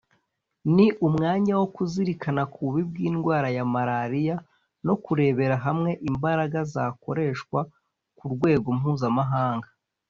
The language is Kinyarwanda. ni umwanya wo kuzirikana ku bubi bw’indwara ya malariya no kurebera hamwe imbaraga zakoreshwa ku rwego mpuzamahanga